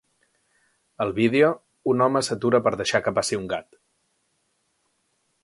Al vídeo, un home s'atura per deixar que passi un gat.